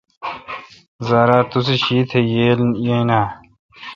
زارا توسی شیتھ یاین اؘ۔